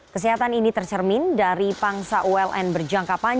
kesehatan ini tersermin dari pangsa uln berjangkapan